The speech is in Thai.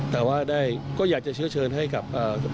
แต่ว่าได้ก็อยากจะเชื้อเชิญให้กับ